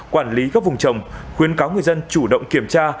quản lý các vùng trồng khuyến cáo người dân chủ động kiểm tra